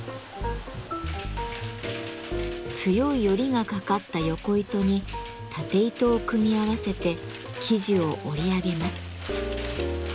強いヨリがかかったヨコ糸にタテ糸を組み合わせて生地を織り上げます。